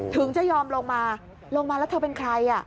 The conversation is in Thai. ถึงจะยอมลงมาลงมาแล้วเธอเป็นใคร